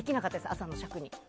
朝の尺に。